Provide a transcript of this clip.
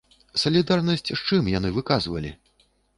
Салідарнасць з чым яны выказвалі?